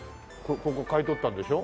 ここ買い取ったんでしょ？